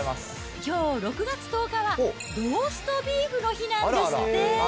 きょう６月１０日は、ローストビーフの日なんですって。